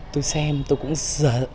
tôi xem tôi cũng